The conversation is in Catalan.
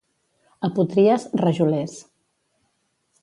A Potries, rajolers.